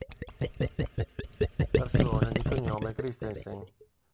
Persone di cognome Christensen